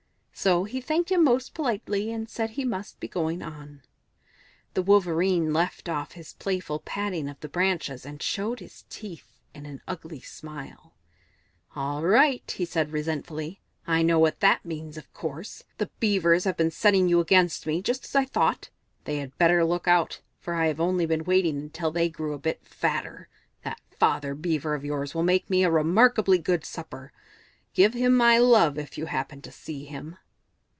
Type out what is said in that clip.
So he thanked him most politely and said he must be going on. The Wolverene left off his playful patting of the branches and showed his teeth in an ugly smile. "All right," he said resentfully. "I know what that means, of course. The Beavers have been setting you against me, just as I thought. They had better look out, for I have only been waiting until they grew a bit fatter. That 'Father Beaver' of yours will make me a remarkably good supper. Give him my love if you happen to see him."